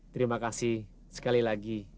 terima kasih sekali lagi